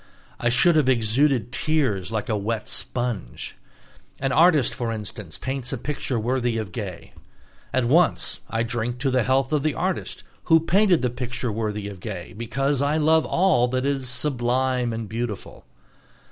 I should have exuded tears like a wet sponge. An artist, for instance, paints a picture worthy of Gay. At once I drink to the health of the artist who painted the picture worthy of Gay, because I love all that is "sublime and beautiful."